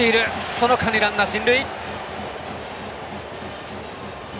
その間にランナー進塁。